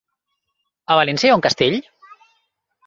A València hi ha un castell?